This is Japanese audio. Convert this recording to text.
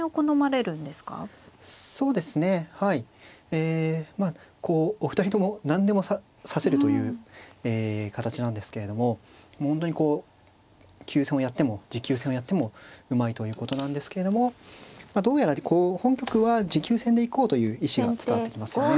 えお二人とも何でも指せるという形なんですけれども本当にこう急戦をやっても持久戦をやってもうまいということなんですけれどもどうやら本局は持久戦でいこうという意思が伝わってきますよね。